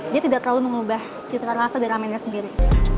jadi tidak terlalu mengubah cita rasa di ramennya sendiri